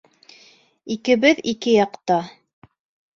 Икебеҙ ике яҡта.